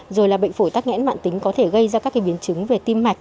rồi là bệnh phổi tắc nghẽn mạng tính có thể gây ra các cái biến chứng về tim mạch